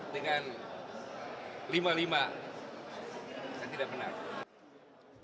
dengan lima lima yang tidak benar